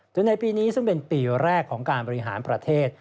ในปีนี้ซึ่งเป็นปีแรกของการบริหารประเทศ